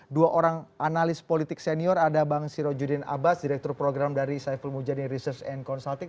dua orang analis politik senior ada bang sirojudin abbas direktur program dari saiful mujadin research and consulting